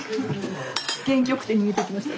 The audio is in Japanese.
元気よくて逃げていきました。